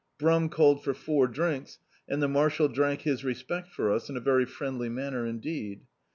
Brum called for four drinks, and the marshal drank his respect for us in a very friendly manner indeed.